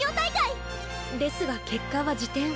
ですが結果は次点。